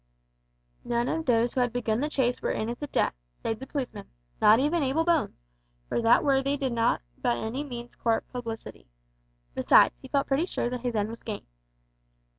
None of those who had begun the chase were in at the death save the policeman, not even Abel Bones, for that worthy did not by any means court publicity. Besides, he felt pretty sure that his end was gained.